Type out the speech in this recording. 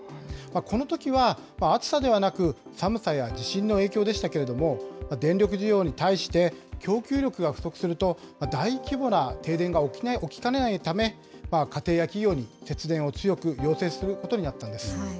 このときは暑さではなく、寒さや地震の影響でしたけれども、電力需要に対して、供給力が不足すると、大規模な停電が起きかねないため、家庭や企業に節電を強く要請することになったんです。